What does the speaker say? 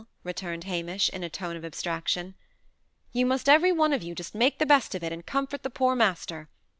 returned Hamish, in a tone of abstraction. "You must every one of you just make the best of it, and comfort the poor master.